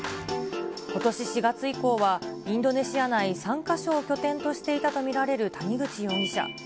ことし４月以降は、インドネシア内３か所を拠点としていたと見られる谷口容疑者。